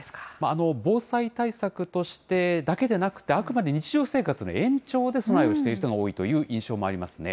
防災対策としてだけでなくて、あくまでも日常生活の延長で備えをしている人が多いという印象もありますね。